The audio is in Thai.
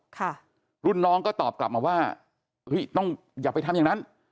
ค่ะรุ่นน้องก็ตอบกลับมาว่าเฮ้ยต้องอย่าไปทำอย่างนั้น